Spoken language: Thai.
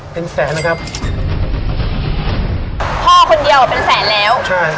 เป็นแสนนะครับพ่อคนเดียวอ่ะเป็นแสนแล้วใช่